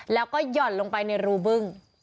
แล้วก็หย่อนลงไปในรูบึ้ง